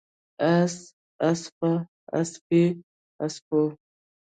اس، اسپه، اسپې، اسپو